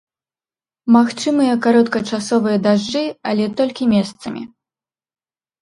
Магчымыя кароткачасовыя дажджы, але толькі месцамі.